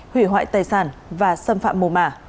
hủy hoại tài sản và xâm phạm mồ mả